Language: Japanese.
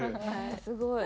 すごい。